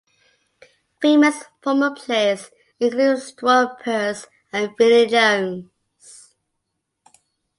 Famous former players include Stuart Pearce and Vinnie Jones.